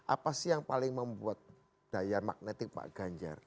apa sih yang paling membuat daya magnetik pak ganjar